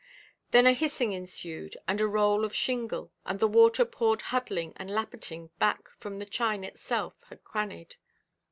Then a hissing ensued, and a roll of shingle, and the water poured huddling and lappeting back from the chine itself had crannied.